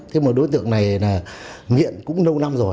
thế mà đối tượng này là nghiện cũng lâu